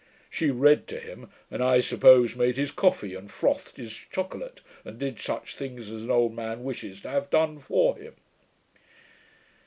She read to him, and, I suppose, made his coffee, and frothed his chocolate, and did such things as an old man wishes to have done for him.'